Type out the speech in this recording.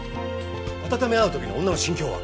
温め合うときの女の心境は？